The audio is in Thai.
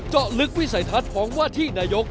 เจาะลึกวิสัยทัศน์ของว่าที่นายก